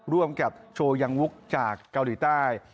ร่วมกับโชว์ยังวุกจากเกาหลีใต้